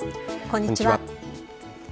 こんにちは。